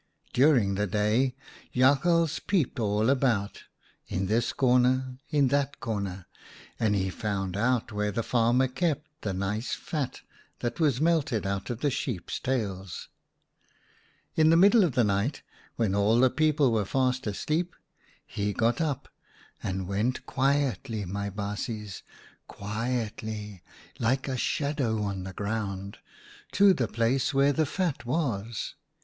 " During the day Jakhals peeped all about, in this corner, in that corner, and he found out where the farmer kept the nice fat that was melted out of the sheep's tails. In the middle of the night, when all the people were fast asleep, he got up and went quietly, my baasjes, quietly, like a shadow on the ground, to the place where the fat was.